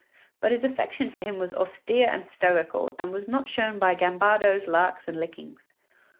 But his affection for him was austere and stoical, and was not shown by gambadoes, larks, and lickings.